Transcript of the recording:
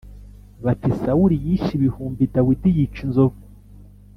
bati ‘sawuli yishe ibihumbi, dawidi yica inzovu’?”